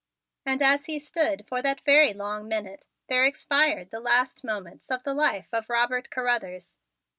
And as he stood, for that very long minute, there expired the last moments of the life of Robert Carruthers.